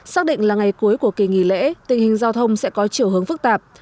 xác định là ngày cuối của kỳ nghỉ lễ tình hình giao thông sẽ có chiều hướng phức tạp